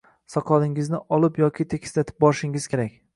Soqolingizni olib yoki tekislatib borishingiz kerak.